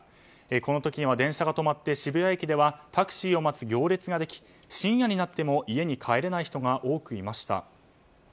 この時には、電車が止まって渋谷駅ではタクシーを待つ行列ができ深夜になっても家に帰れない人が多くいました。